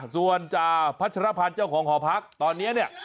ส่วนจ่าพัชรพันธ์เจ้าของหอพักตอนนี้เนี่ย